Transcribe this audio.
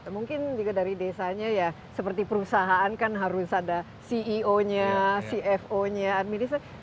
mungkin juga dari desanya ya seperti perusahaan kan harus ada ceo nya cfo nya administrasi